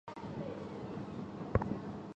位牌曰兴福院殿南天皇都心位尊仪。